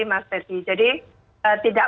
mas teri jadi tidak